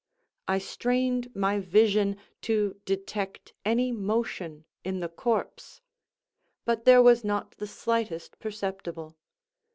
I strained my vision to detect any motion in the corpse—but there was not the slightest perceptible.